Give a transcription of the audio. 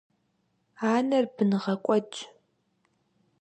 Анэр бын гъэкӀуэдщ.